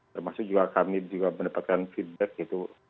termasuk juga kami juga mendapatkan feedback gitu